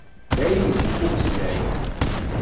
Dayen, ifukk umeslay.